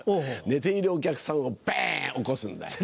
寝ているお客さんをバン起こすんだよ。